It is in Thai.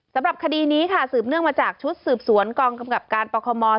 สำหรับคดีนี้ค่ะสืบเนื่องมาจากชุดสืบสวนกองกำกับการปคม